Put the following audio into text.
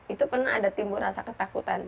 itu pernah ada timbul rasa ketakutan